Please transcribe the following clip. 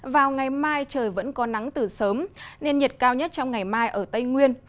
vào ngày mai trời vẫn có nắng từ sớm nên nhiệt cao nhất trong ngày mai ở tây nguyên